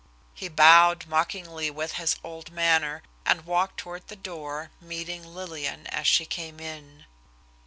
'" He bowed mockingly with his old manner, and walked toward the door, meeting Lillian as she came in.